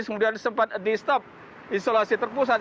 kemudian sempat di stop isolasi terpusat